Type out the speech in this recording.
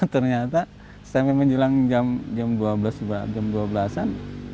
ternyata sampai menjelang jam dua belas an